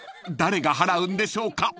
［誰が払うんでしょうか？］